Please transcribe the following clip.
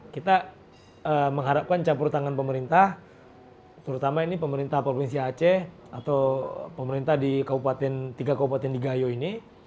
kita mengharapkan campur tangan pemerintah terutama ini pemerintah provinsi aceh atau pemerintah di kabupaten tiga kabupaten di gayo ini